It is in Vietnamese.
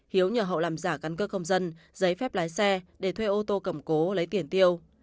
hiếu nhờ họ làm giả căn cơ công dân giấy phép lái xe để thuê ô tô cầm cố lấy tiền tiêu